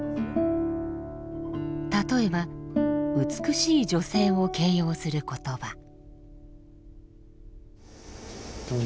例えば美しい女性を形容する言葉。